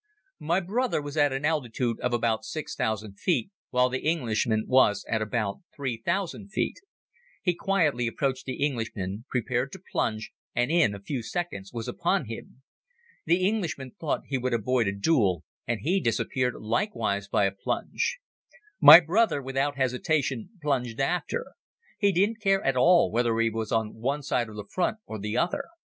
My brother was at an altitude of about six thousand feet, while the Englishman was at about three thousand feet. He quietly approached the Englishman, prepared to plunge and in a few seconds was upon him. The Englishman thought he would avoid a duel and he disappeared likewise by a plunge. My brother, without hesitation, plunged after. He didn't care at all whether he was on one side of the front or the other.